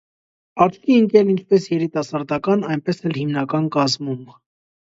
Աչքի ընկել ինչպես երիտասարդական, այնպես էլ հիմնական կազմում։